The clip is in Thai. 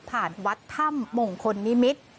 วัดถ้ำมงคลนิมิตร